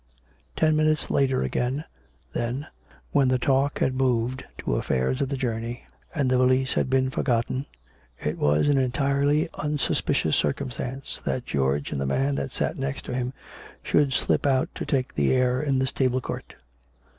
Ten minutes later again, then, when the talk had moved to affairs of the journey, and the valise had been forgotten, it was an entirely un suspicious circumstance that George and the man that sat next him should slip out to take the air in the stable court.